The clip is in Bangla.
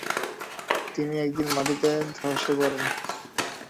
তিনি একদিন মাটিতে ধসে পড়েন।